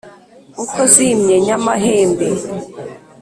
Uko zimye nyamahembe